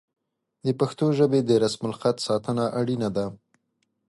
د پښتو ژبې د رسم الخط ساتنه اړینه ده.